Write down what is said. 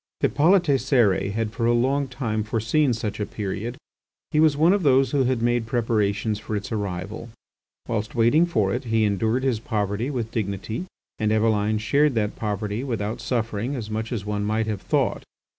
Hippolyte Cérès had for a long time foreseen such a period. He was one of those who had made preparations for its arrival. Whilst waiting for it he endured his poverty with dignity, and Eveline shared that poverty without suffering as much as one might have thought.